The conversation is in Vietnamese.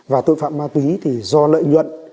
và tội phạm ma túy thì do lợi nhuận